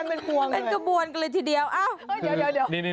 เออเป็นกระบวนกันเลยทีเดียวเอ้าเดี๋ยว